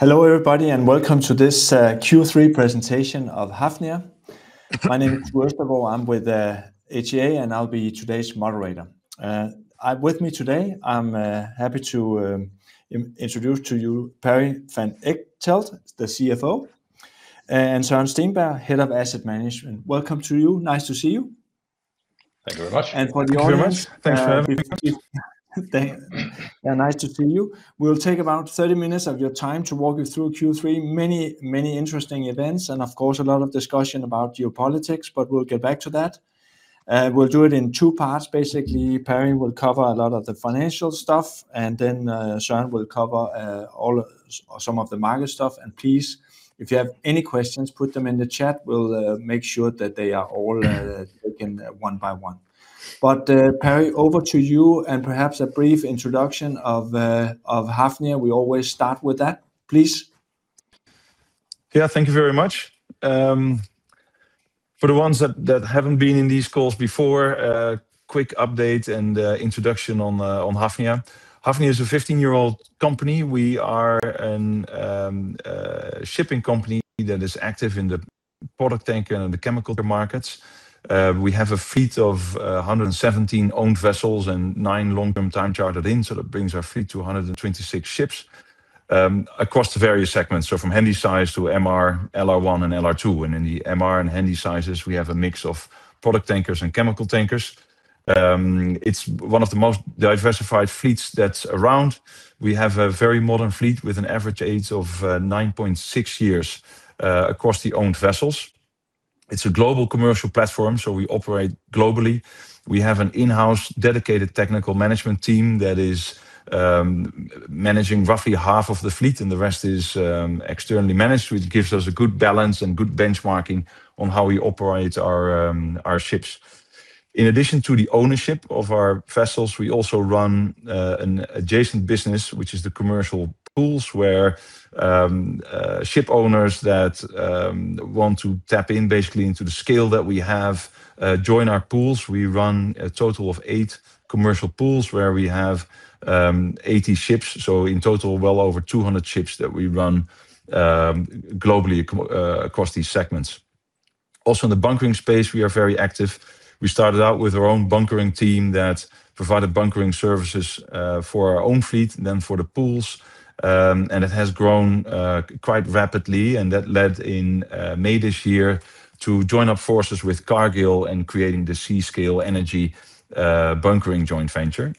Hello, everybody, and welcome to this Q3 presentation of Hafnia. My name is Würtherbohl. I'm with HA, and I'll be today's moderator. With me today, I'm happy to introduce to you Perry Van Echtelt, the CFO, and Søren Steenberg, Head of Asset Management. Welcome to you. Nice to see you. Thank you very much. For the audience. Thank you very much. Thank you. Yeah, nice to see you. We'll take about 30 minutes of your time to walk you through Q3, many, many interesting events, and of course, a lot of discussion about geopolitics, but we'll get back to that. We'll do it in two parts. Basically, Perry will cover a lot of the financial stuff, and then Søren will cover some of the market stuff. Please, if you have any questions, put them in the chat. We'll make sure that they are all taken one by one. Perry, over to you, and perhaps a brief introduction of Hafnia. We always start with that. Please. Yeah, thank you very much. For the ones that haven't been in these calls before, a quick update and introduction on Hafnia. Hafnia is a 15-year-old company. We are a shipping company that is active in the product tank and the chemical markets. We have a fleet of 117 owned vessels and nine long-term time chartered in, so that brings our fleet to 126 ships across the various segments, from handy size to MR, LR1, and LR2. In the MR and handy sizes, we have a mix of product tankers and chemical tankers. It's one of the most diversified fleets that's around. We have a very modern fleet with an average age of 9.6 years across the owned vessels. It's a global commercial platform, so we operate globally. We have an in-house dedicated technical management team that is managing roughly half of the fleet, and the rest is externally managed, which gives us a good balance and good benchmarking on how we operate our ships. In addition to the ownership of our vessels, we also run an adjacent business, which is the commercial pools, where ship owners that want to tap in basically into the scale that we have join our pools. We run a total of eight commercial pools where we have 80 ships, so in total, well over 200 ships that we run globally across these segments. Also, in the bunkering space, we are very active. We started out with our own bunkering team that provided bunkering services for our own fleet, then for the pools, and it has grown quite rapidly, and that led in May this year to join up forces with Cargill and creating the Seascale Energy Bunkering joint venture.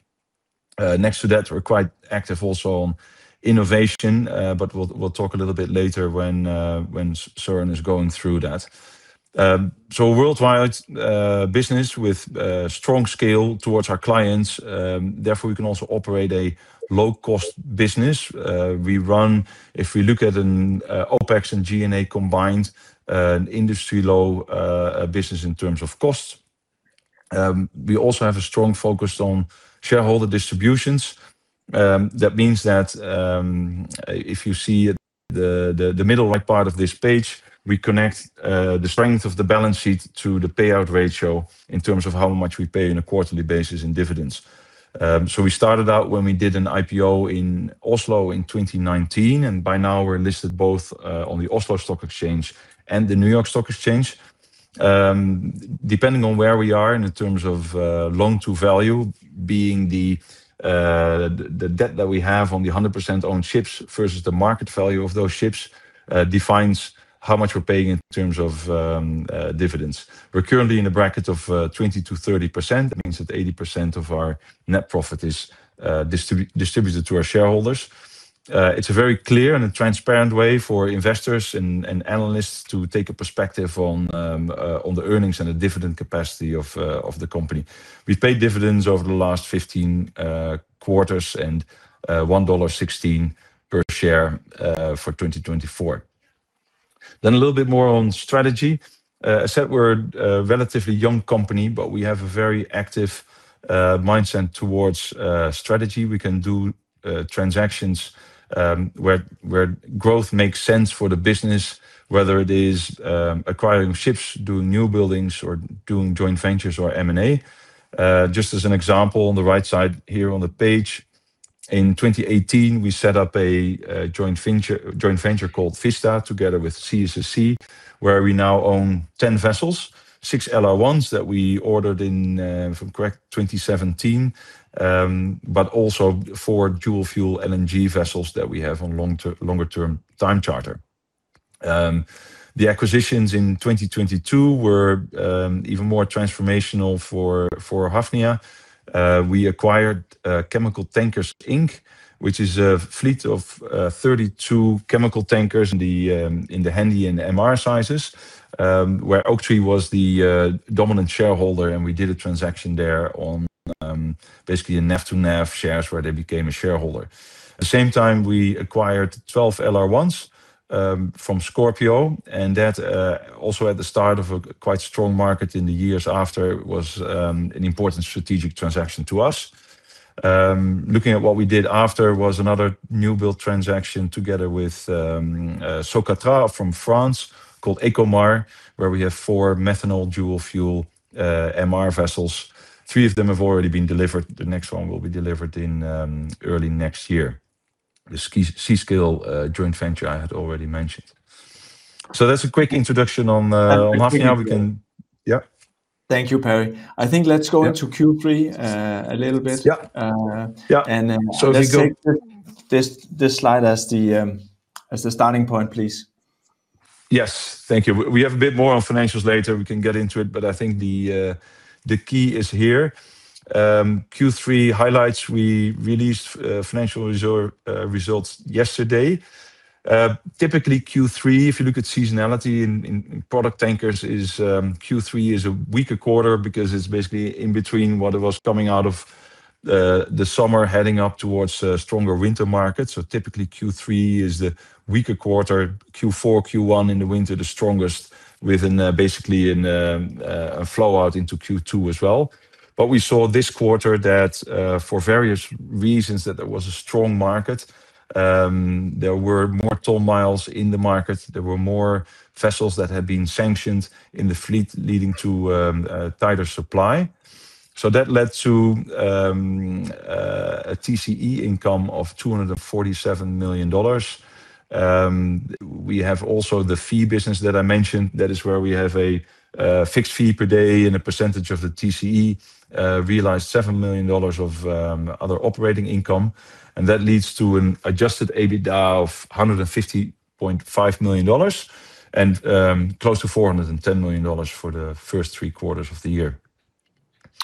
Next to that, we're quite active also on innovation, but we'll talk a little bit later when Søren is going through that. A worldwide business with strong scale towards our clients. Therefore, we can also operate a low-cost business. If we look at an OpEx and G&A combined, an industry-low business in terms of cost. We also have a strong focus on shareholder distributions. That means that if you see the middle right part of this page, we connect the strength of the balance sheet to the payout ratio in terms of how much we pay on a quarterly basis in dividends. We started out when we did an IPO in Oslo in 2019, and by now, we're listed both on the Oslo Stock Exchange and the New York Stock Exchange. Depending on where we are in terms of loan-to-value, being the debt that we have on the 100% owned ships versus the market value of those ships defines how much we're paying in terms of dividends. We're currently in the bracket of 20%-30%. That means that 80% of our net profit is distributed to our shareholders. It's a very clear and transparent way for investors and analysts to take a perspective on the earnings and the dividend capacity of the company. We've paid dividends over the last 15 quarters and $1.16 per share for 2024. A little bit more on strategy. I said we're a relatively young company, but we have a very active mindset towards strategy. We can do transactions where growth makes sense for the business, whether it is acquiring ships, doing new buildings, or doing joint ventures or M&A. Just as an example, on the right side here on the page, in 2018, we set up a joint venture called Vista together with CSSC, where we now own 10 vessels, six LR1s that we ordered in 2017, but also four dual-fuel LNG vessels that we have on longer-term time charter. The acquisitions in 2022 were even more transformational for Hafnia. We acquired Chemical Tankers, Inc., which is a fleet of 32 chemical tankers in the handy and MR sizes, where Oaktree was the dominant shareholder, and we did a transaction there on basically a NAV-to-NAV shares where they became a shareholder. At the same time, we acquired 12 LR1s from Scorpio, and that also at the start of a quite strong market in the years after was an important strategic transaction to us. Looking at what we did after was another new-build transaction together with Socatra from France called Ecomar, where we have four methanol dual-fuel MR vessels. Three of them have already been delivered. The next one will be delivered in early next year. The Seascale joint venture I had already mentioned. That's a quick introduction on Hafnia. We can. Yeah. Thank you, Perry. I think let's go into Q3 a little bit. Yeah. This slide as the starting point, please. Yes, thank you. We have a bit more on financials later. We can get into it, but I think the key is here. Q3 highlights, we released financial results yesterday. Typically, Q3, if you look at seasonality in product tankers, Q3 is a weaker quarter because it's basically in between what was coming out of the summer heading up towards a stronger winter market. Typically, Q3 is the weaker quarter. Q4, Q1 in the winter, the strongest, with basically a flow-out into Q2 as well. We saw this quarter that for various reasons, there was a strong market. There were more ton miles in the market. There were more vessels that had been sanctioned in the fleet, leading to tighter supply. That led to a TCE income of $247 million. We have also the fee business that I mentioned. That is where we have a fixed fee per day and a percentage of the TCE realized $7 million of other operating income. That leads to an adjusted EBITDA of $150.5 million and close to $410 million for the first three quarters of the year.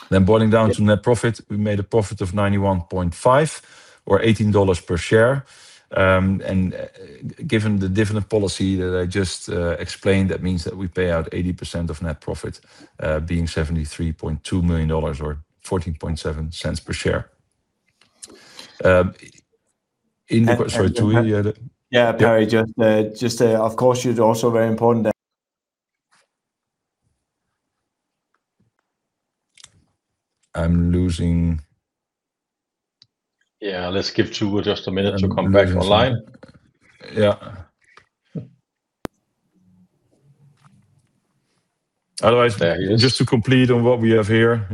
Boiling down to net profit, we made a profit of $91.5 or $18 per share. Given the dividend policy that I just explained, that means that we pay out 80% of net profit, being $73.2 million or $14.7 per share. Sorry, too. Yeah, Perry, just, of course, you're also very important. I'm losing. Yeah, let's give two just a minute to come back online. Yeah. Otherwise, just to complete on what we have here,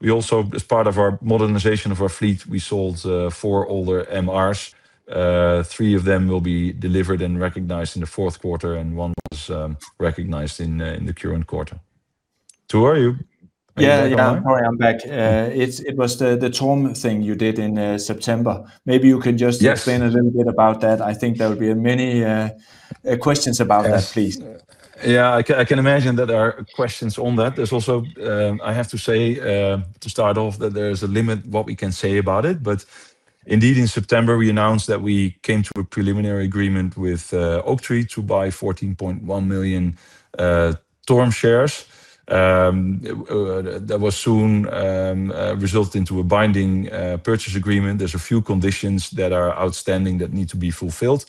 we also, as part of our modernization of our fleet, we sold four older MRs. Three of them will be delivered and recognized in the fourth quarter, and one was recognized in the current quarter. Too, are you? Yeah, yeah. I'm back. It was the TORM thing you did in September. Maybe you can just explain a little bit about that. I think there will be many questions about that, please. Yeah, I can imagine that there are questions on that. There's also, I have to say to start off that there is a limit what we can say about it. Indeed, in September, we announced that we came to a preliminary agreement with Oaktree to buy 14.1 million TORM shares. That soon resulted in a binding purchase agreement. There are a few conditions that are outstanding that need to be fulfilled.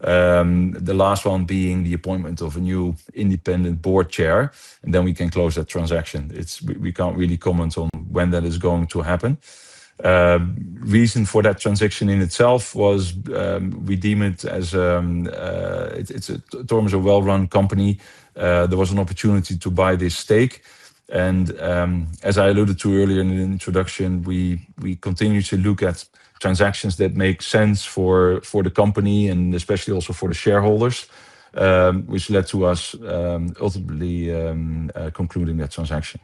The last one being the appointment of a new independent board chair, and then we can close that transaction. We can't really comment on when that is going to happen. The reason for that transaction in itself was we deem it as TORM is a well-run company. There was an opportunity to buy this stake. As I alluded to earlier in the introduction, we continue to look at transactions that make sense for the company and especially also for the shareholders, which led to us ultimately concluding that transaction.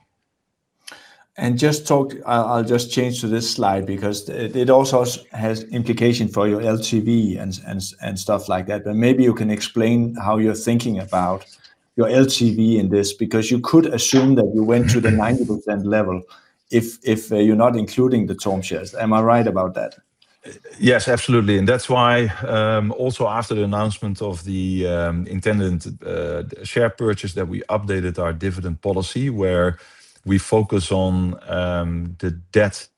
Just talk, I'll just change to this slide because it also has implications for your LTV and stuff like that. Maybe you can explain how you're thinking about your LTV in this because you could assume that you went to the 90% level if you're not including the TORM shares. Am I right about that? Yes, absolutely. That is why also after the announcement of the intended share purchase, we updated our dividend policy, where we focus on the debt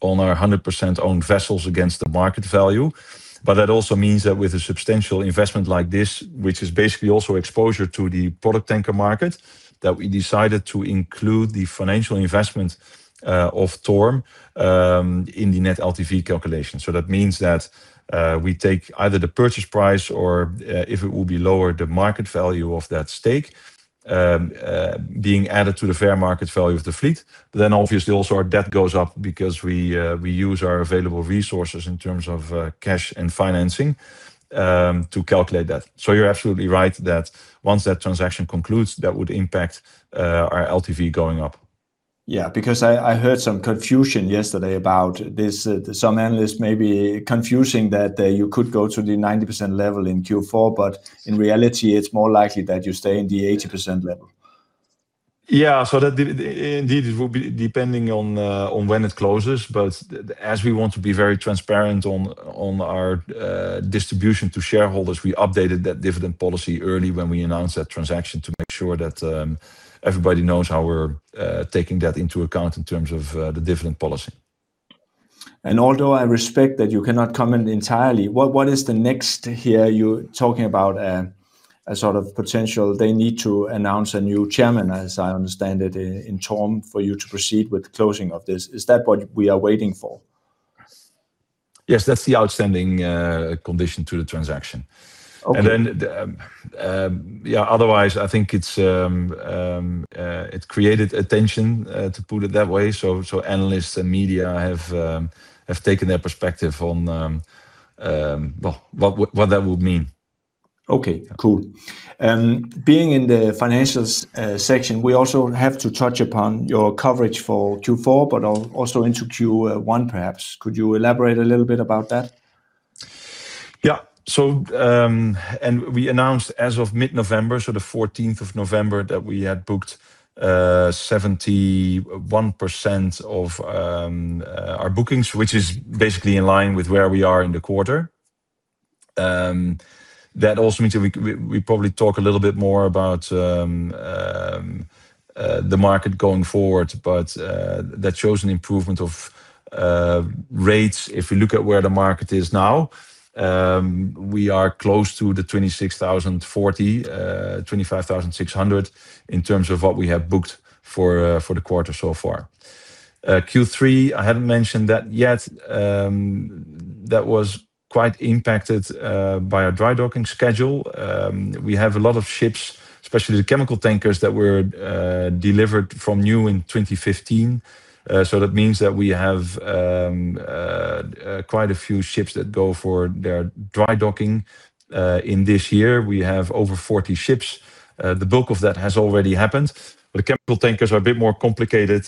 on our 100% owned vessels against the market value. That also means that with a substantial investment like this, which is basically also exposure to the product tanker market, we decided to include the financial investment of TORM in the net LTV calculation. That means that we take either the purchase price or, if it will be lower, the market value of that stake being added to the fair market value of the fleet. Obviously, also our debt goes up because we use our available resources in terms of cash and financing to calculate that. You are absolutely right that once that transaction concludes, that would impact our LTV going up. Yeah, because I heard some confusion yesterday about this. Some analysts may be confusing that you could go to the 90% level in Q4, but in reality, it's more likely that you stay in the 80% level. Yeah, that indeed will be depending on when it closes. As we want to be very transparent on our distribution to shareholders, we updated that dividend policy early when we announced that transaction to make sure that everybody knows how we're taking that into account in terms of the dividend policy. Although I respect that you cannot comment entirely, what is the next here? You're talking about a sort of potential they need to announce a new chairman, as I understand it, in TORM for you to proceed with closing of this. Is that what we are waiting for? Yes, that's the outstanding condition to the transaction. Otherwise, I think it's created attention to put it that way. Analysts and media have taken their perspective on what that would mean. Okay, cool. Being in the financials section, we also have to touch upon your coverage for Q4, but also into Q1 perhaps. Could you elaborate a little bit about that? Yeah, so we announced as of mid-November, so the 14th of November, that we had booked 71% of our bookings, which is basically in line with where we are in the quarter. That also means we probably talk a little bit more about the market going forward, but that shows an improvement of rates. If we look at where the market is now, we are close to the $26,040-$25,600 in terms of what we have booked for the quarter so far. Q3, I haven't mentioned that yet. That was quite impacted by our dry docking schedule. We have a lot of ships, especially the chemical tankers that were delivered from new in 2015. That means that we have quite a few ships that go for their dry docking in this year. We have over 40 ships. The bulk of that has already happened. The chemical tankers are a bit more complicated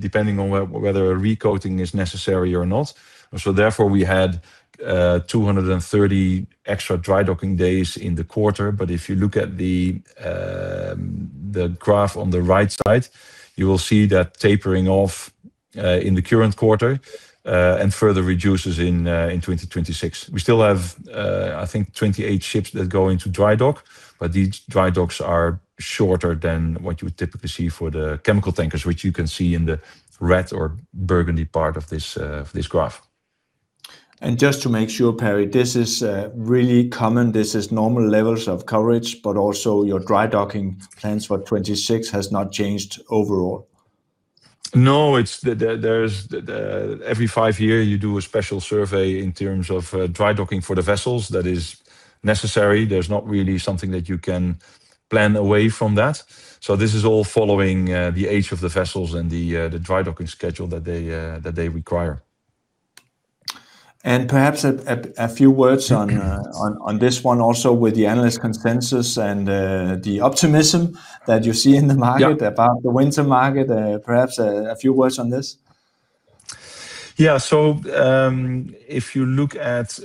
depending on whether a recoating is necessary or not. Therefore, we had 230 extra dry docking days in the quarter. If you look at the graph on the right side, you will see that tapering off in the current quarter and further reduces in 2026. We still have, I think, 28 ships that go into dry dock, but these dry docks are shorter than what you would typically see for the chemical tankers, which you can see in the red or burgundy part of this graph. Just to make sure, Perry, this is really common. This is normal levels of coverage, but also your dry docking plans for 2026 has not changed overall. No, every five years, you do a special survey in terms of dry docking for the vessels that is necessary. There is not really something that you can plan away from that. This is all following the age of the vessels and the dry docking schedule that they require. Perhaps a few words on this one also with the analyst consensus and the optimism that you see in the market about the winter market. Perhaps a few words on this. Yeah, if you look at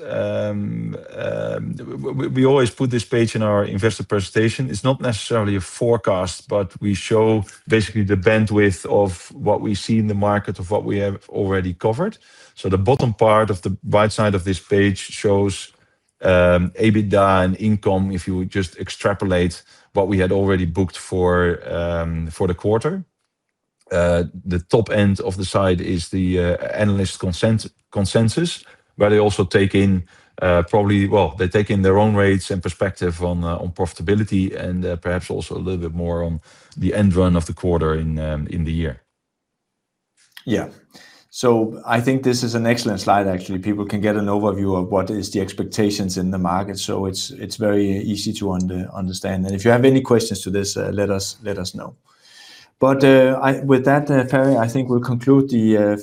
we always put this page in our investor presentation. It's not necessarily a forecast, but we show basically the bandwidth of what we see in the market of what we have already covered. The bottom part of the right side of this page shows EBITDA and income if you would just extrapolate what we had already booked for the quarter. The top end of the side is the analyst consensus, where they also take in probably, well, they take in their own rates and perspective on profitability and perhaps also a little bit more on the end run of the quarter in the year. Yeah, I think this is an excellent slide, actually. People can get an overview of what is the expectations in the market. It is very easy to understand. If you have any questions to this, let us know. With that, Perry, I think we'll conclude the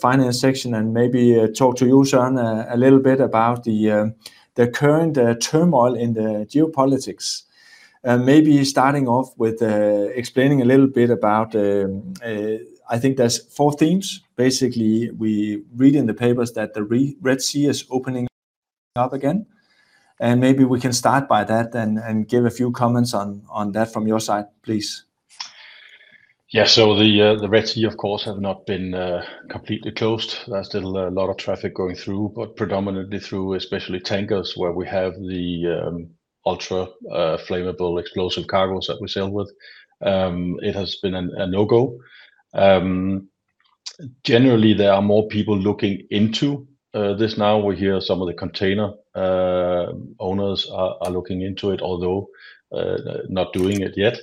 finance section and maybe talk to you, Søren, a little bit about the current turmoil in the geopolitics. Maybe starting off with explaining a little bit about, I think there are four themes. Basically, we read in the papers that the Red Sea is opening up again. Maybe we can start by that and give a few comments on that from your side, please. Yeah, the Red Sea, of course, has not been completely closed. There is still a lot of traffic going through, but predominantly through, especially tankers where we have the ultra flammable explosive cargoes that we sail with, it has been a no-go. Generally, there are more people looking into this now. We hear some of the container owners are looking into it, although not doing it yet.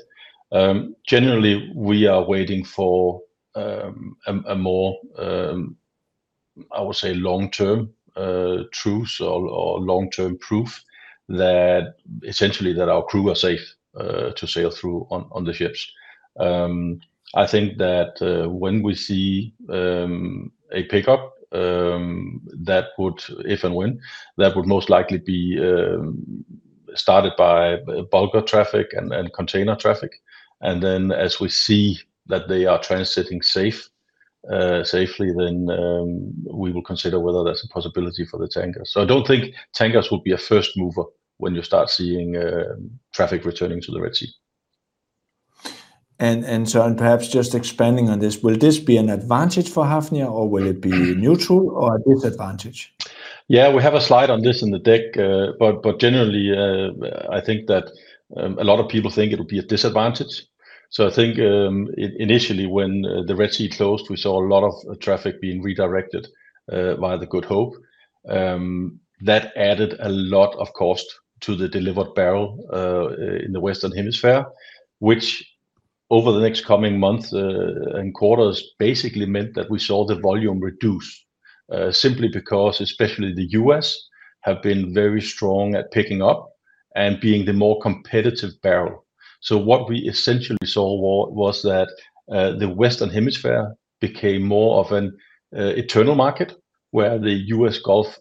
Generally, we are waiting for a more, I would say, long-term truth or long-term proof that essentially that our crew are safe to sail through on the ships. I think that when we see a pickup, that would, if and when, that would most likely be started by bulk of traffic and container traffic. As we see that they are transiting safely, then we will consider whether there is a possibility for the tankers. I don't think tankers will be a first mover when you start seeing traffic returning to the Red Sea. Søren, perhaps just expanding on this, will this be an advantage for Hafnia or will it be neutral or a disadvantage? Yeah, we have a slide on this in the deck. Generally, I think that a lot of people think it will be a disadvantage. I think initially when the Red Sea closed, we saw a lot of traffic being redirected via the Good Hope. That added a lot of cost to the delivered barrel in the Western Hemisphere, which over the next coming months and quarters basically meant that we saw the volume reduce simply because especially the US have been very strong at picking up and being the more competitive barrel. What we essentially saw was that the Western Hemisphere became more of an eternal market where the U.S. Gulf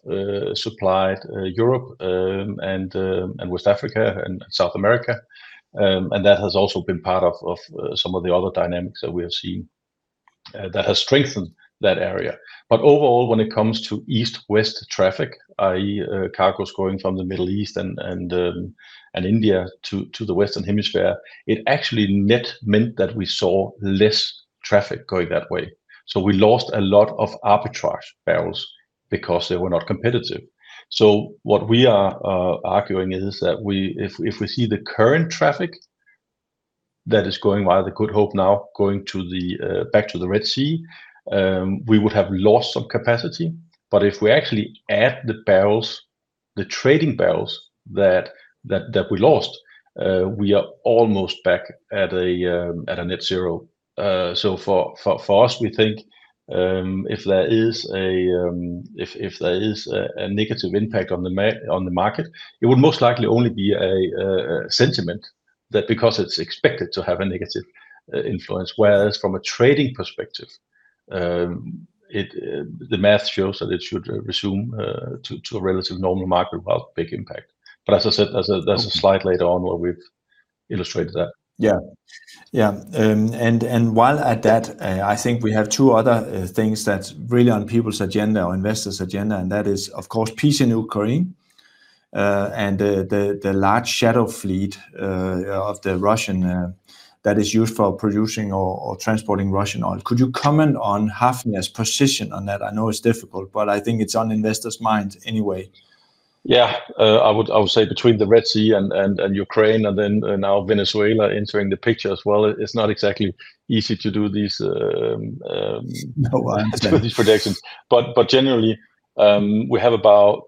supplied Europe and West Africa and South America. That has also been part of some of the other dynamics that we have seen that has strengthened that area. Overall, when it comes to East-West traffic, i.e., cargoes going from the Middle East and India to the Western Hemisphere, it actually net meant that we saw less traffic going that way. We lost a lot of arbitrage barrels because they were not competitive. What we are arguing is that if we see the current traffic that is going via the Good Hope now going back to the Red Sea, we would have lost some capacity. If we actually add the barrels, the trading barrels that we lost, we are almost back at a net zero. For us, we think if there is a negative impact on the market, it would most likely only be a sentiment that because it's expected to have a negative influence, whereas from a trading perspective, the math shows that it should resume to a relatively normal market without big impact. As I said, there's a slide later on where we've illustrated that. Yeah, yeah. While at that, I think we have two other things that's really on people's agenda or investors' agenda, and that is, of course, PCNU, Kareem, and the large shadow fleet of the Russian that is used for producing or transporting Russian oil. Could you comment on Hafnia's position on that? I know it's difficult, but I think it's on investors' minds anyway. Yeah, I would say between the Red Sea and Ukraine and now Venezuela entering the picture as well, it's not exactly easy to do these projections. Generally, we have about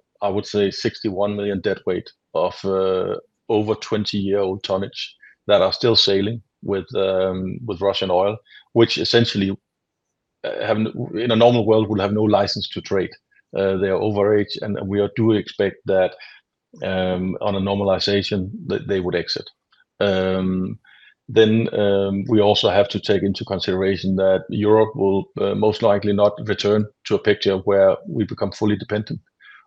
61 million dead weight of over 20-year-old tonnage that are still sailing with Russian oil, which essentially in a normal world would have no license to trade. They are overage, and we do expect that on a normalization, they would exit. We also have to take into consideration that Europe will most likely not return to a picture where we become fully dependent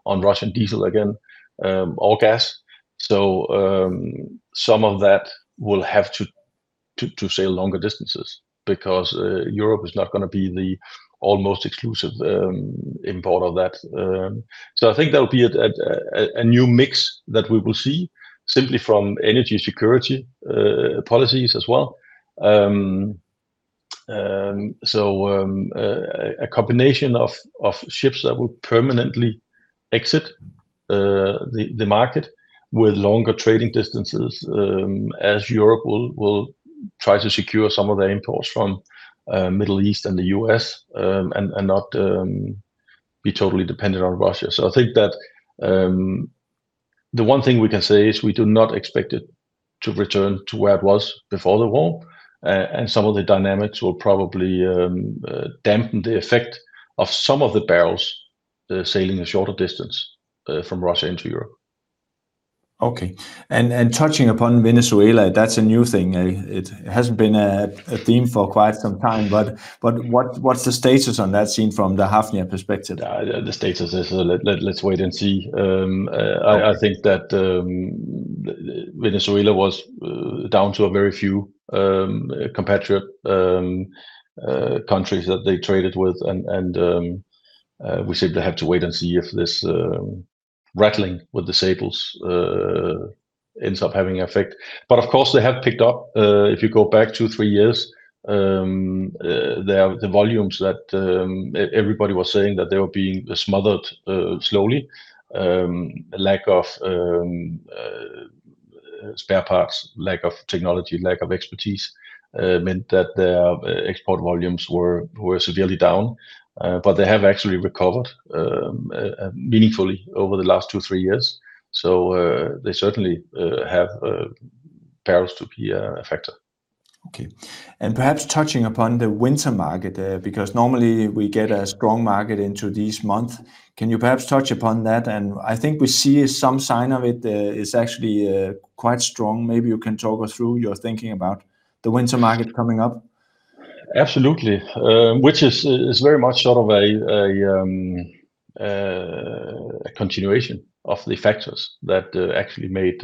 on Russian diesel again or gas. Some of that will have to sail longer distances because Europe is not going to be the almost exclusive importer of that. I think there will be a new mix that we will see simply from energy security policies as well. A combination of ships that will permanently exit the market with longer trading distances as Europe will try to secure some of their imports from the Middle East and the U.S. and not be totally dependent on Russia. I think that the one thing we can say is we do not expect it to return to where it was before the war, and some of the dynamics will probably dampen the effect of some of the barrels sailing a shorter distance from Russia into Europe. Okay. Touching upon Venezuela, that's a new thing. It hasn't been a theme for quite some time, but what's the status on that scene from the Hafnia perspective? The status is, let's wait and see. I think that Venezuela was down to a very few compatriot countries that they traded with, and we simply have to wait and see if this rattling with the sables ends up having an effect. Of course, they have picked up. If you go back two, three years, the volumes that everybody was saying that they were being smothered slowly, lack of spare parts, lack of technology, lack of expertise meant that their export volumes were severely down. They have actually recovered meaningfully over the last two, three years. They certainly have barrels to be a factor. Okay. Perhaps touching upon the winter market, because normally we get a strong market into this month, can you perhaps touch upon that? I think we see some sign of it is actually quite strong. Maybe you can talk us through your thinking about the winter market coming up. Absolutely, which is very much sort of a continuation of the factors that actually made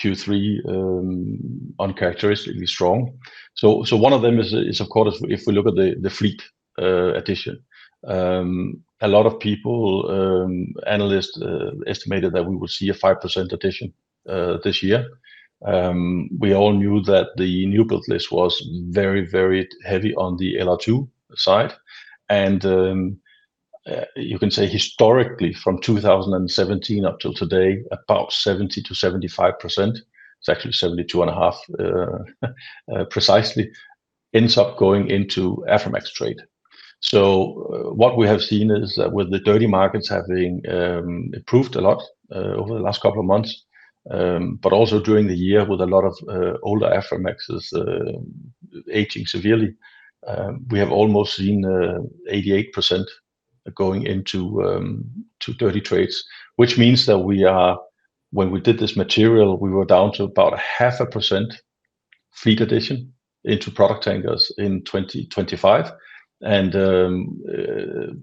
Q3 uncharacteristically strong. One of them is, of course, if we look at the fleet addition, a lot of people, analysts estimated that we would see a 5% addition this year. We all knew that the new build list was very, very heavy on the LR2 side. You can say historically from 2017 up till today, about 70%-75%, it is actually 72.5% precisely, ends up going into Aframax trade. What we have seen is that with the dirty markets having improved a lot over the last couple of months, but also during the year with a lot of older Aframax aging severely, we have almost seen 88% going into dirty trades, which means that when we did this material, we were down to about 0.5% fleet addition into product tankers in 2025.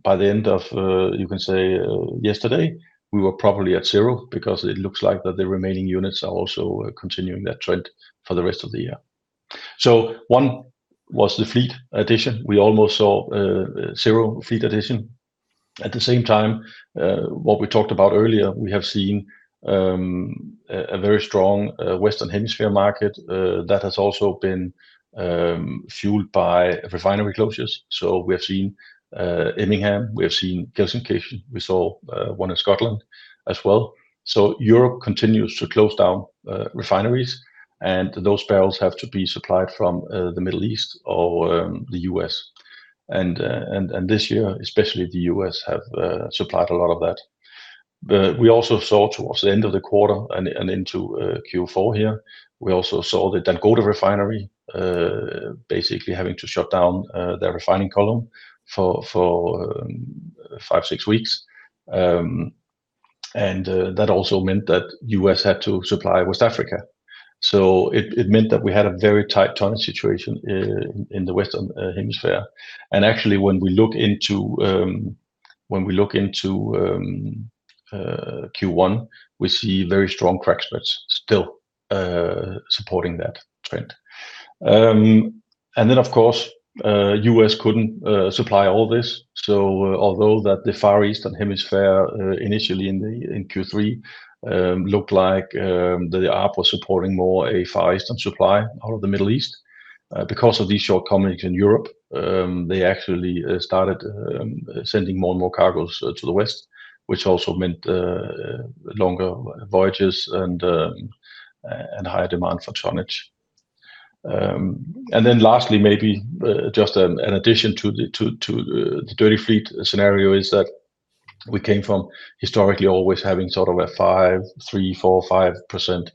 By the end of, you can say, yesterday, we were probably at zero because it looks like the remaining units are also continuing that trend for the rest of the year. One was the fleet addition. We almost saw zero fleet addition. At the same time, what we talked about earlier, we have seen a very strong Western Hemisphere market that has also been fueled by refinery closures. We have seen Imingham, we have seen Gelsenkirchen, we saw one in Scotland as well. Europe continues to close down refineries, and those barrels have to be supplied from the Middle East or the US. This year, especially the US have supplied a lot of that. We also saw towards the end of the quarter and into Q4 here, we also saw the Dakota refinery basically having to shut down their refining column for five-six weeks. That also meant that US had to supply West Africa. It meant that we had a very tight tonnage situation in the Western Hemisphere. Actually, when we look into Q1, we see very strong crack splits still supporting that trend. Of course, US could not supply all this. Although the Far Eastern Hemisphere initially in Q3 looked like the ARP was supporting more a Far Eastern supply out of the Middle East, because of these shortcomings in Europe, they actually started sending more and more cargoes to the West, which also meant longer voyages and higher demand for tonnage. Lastly, maybe just an addition to the dirty fleet scenario is that we came from historically always having sort of a 5-3-4-5%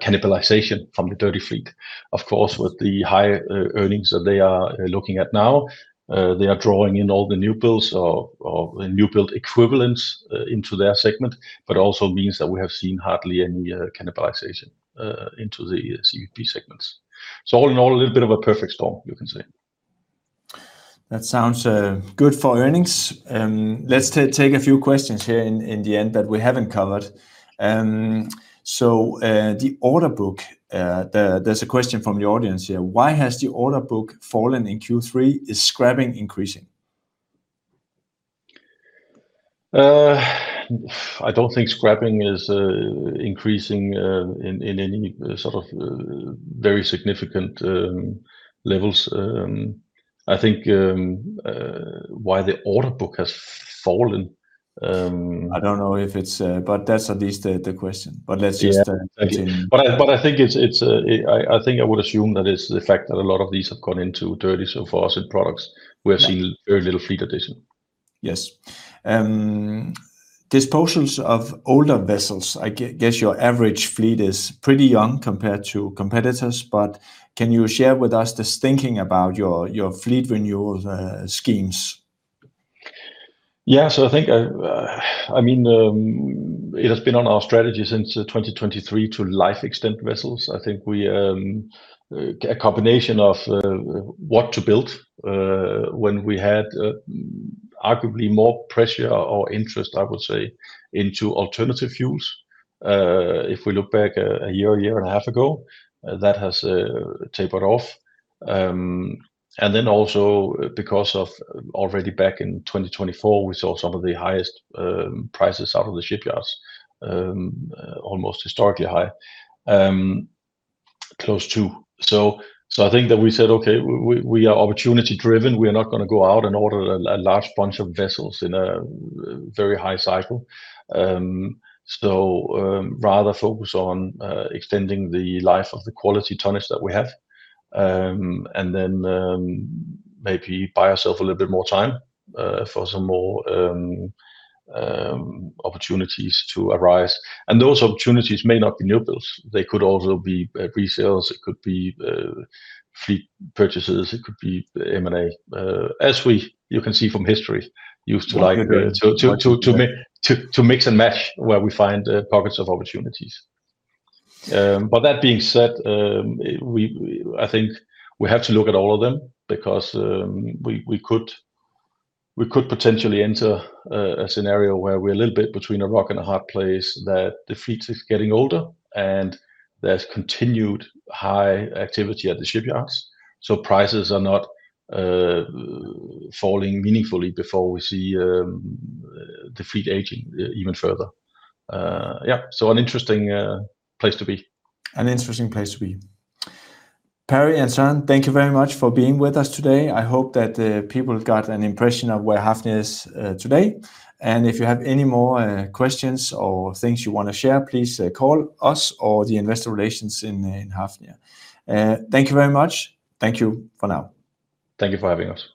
cannibalization from the dirty fleet. Of course, with the high earnings that they are looking at now, they are drawing in all the new builds or new build equivalents into their segment, but also means that we have seen hardly any cannibalization into the CVP segments. All in all, a little bit of a perfect storm, you can say. That sounds good for earnings. Let's take a few questions here in the end that we haven't covered. The order book, there's a question from the audience here. Why has the order book fallen in Q3? Is scrapping increasing? I don't think scrapping is increasing in any sort of very significant levels. I think why the order book has fallen. I don't know if it's, but that's at least the question. Let's just continue. I think I would assume that it's the fact that a lot of these have gone into dirty so far as in products. We have seen very little fleet addition. Yes. Disposals of older vessels. I guess your average fleet is pretty young compared to competitors, but can you share with us this thinking about your fleet renewal schemes? Yeah, so I think, I mean, it has been on our strategy since 2023 to life extend vessels. I think a combination of what to build when we had arguably more pressure or interest, I would say, into alternative fuels. If we look back a year, a year and a half ago, that has tapered off. Also because already back in 2024, we saw some of the highest prices out of the shipyards, almost historically high, close to. I think that we said, okay, we are opportunity driven. We are not going to go out and order a large bunch of vessels in a very high cycle. Rather focus on extending the life of the quality tonnage that we have and then maybe buy ourselves a little bit more time for some more opportunities to arise. Those opportunities may not be new builds. They could also be resales. It could be fleet purchases. It could be M&A, as you can see from history, used to mix and match where we find pockets of opportunities. That being said, I think we have to look at all of them because we could potentially enter a scenario where we're a little bit between a rock and a hard place that the fleet is getting older and there's continued high activity at the shipyards. Prices are not falling meaningfully before we see the fleet aging even further. Yeah, so an interesting place to be. An interesting place to be. Perry and Søren, thank you very much for being with us today. I hope that people got an impression of where Hafnia is today. If you have any more questions or things you want to share, please call us or the investor relations in Hafnia. Thank you very much. Thank you for now. Thank you for having us.